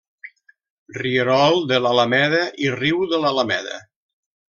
Rierol de l'Alameda i riu de l'Alameda.